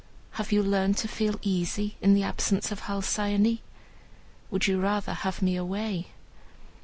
Have you learned to feel easy in the absence of Halcyone? Would you rather have me away?"